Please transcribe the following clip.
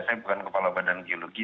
saya bukan kepala badan geologi